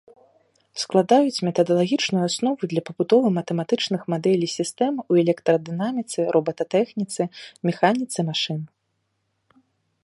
Складаюць метадалагічную аснову для пабудовы матэматычных мадэлей сістэм у электрадынаміцы, робататэхніцы, механіцы машын.